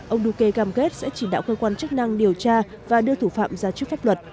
ông duque cam kết sẽ chỉ đạo cơ quan chức năng điều tra và đưa thủ phạm ra trước pháp luật